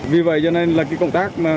vì vậy cho nên là cái công tác